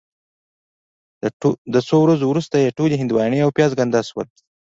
د څو ورځو وروسته یې ټولې هندواڼې او پیاز ګنده شول.